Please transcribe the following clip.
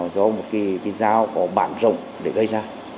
do một cái dao có bảng rộng để gây ra